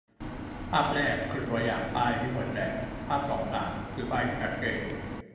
ภาพแรก คือตัวอย่างป้ายที่ห่วยแตก ภาพสอง-สาม คือป้ายที่ชัดเจน